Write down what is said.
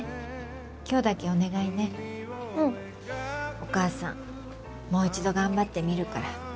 お母さんもう一度頑張ってみるから。